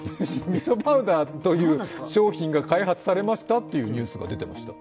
みそパウダーという商品が開発されましたというニュースが出ていました。